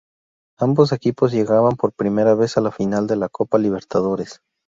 Ambos equipos llegaban por primera vez a la final de la Copa Libertadores.